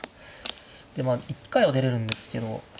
でまあ一回は出れるんですけど。